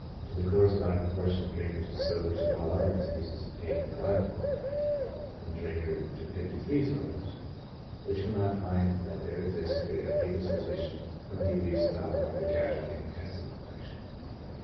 to the corresponding proportion of drinkers to sobers for all other diseases taken collectively, (i D. to 53 S.,) we shall not find that there exists a greater predisposition from the abuse of alcohol to gastric and intes tinal affections.